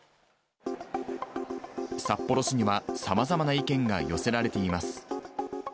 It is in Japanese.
札幌市には、さまざまな意見が寄せられています。